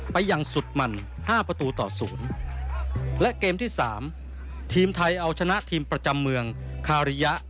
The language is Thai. ไปอย่างสุดมันห้าประตูต่อศูนย์และเกมที่สามทีมไทยเอาชนะทีมประจำเมืองคาริยะ